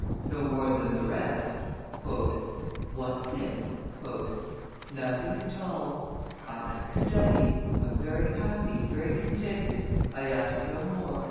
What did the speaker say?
"No more than the rest." "What then?" "Nothing at all. I like study, I am very happy, very contented, I ask no more."